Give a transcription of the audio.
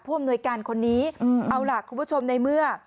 อำนวยการคนนี้เอาล่ะคุณผู้ชมในเมื่อ